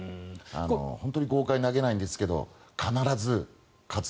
本当に豪快に投げないんですけど必ず勝つ。